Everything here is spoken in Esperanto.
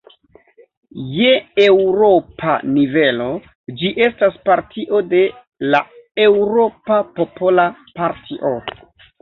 Je eŭropa nivelo, ĝi estas partio de la Eŭropa Popola Partio.